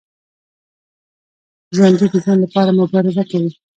ژوندي د ژوند لپاره مبارزه کوي